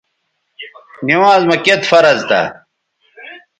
نِوانز مہ کِت فرض تھا